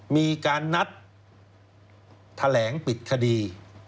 มีการนัดแถลงปิดคดี